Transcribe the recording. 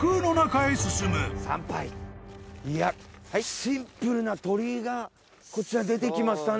シンプルな鳥居がこちら出てきましたね。